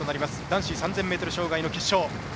男子３０００ｍ障害決勝。